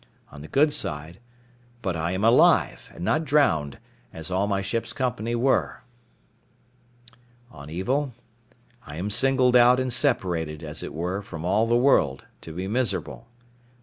But I am alive; and not drowned, as all my ship's company were. I am singled out and separated, as it were, from all the world, to be miserable.